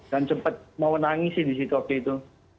dan cepat mau nangis sih disitu waktu itu